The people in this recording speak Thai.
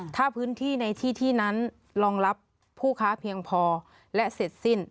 ถ้าพื้นที่ในที่ที่นั้นรองรับผู้ค้าเพียงพอและเสร็จสิ้น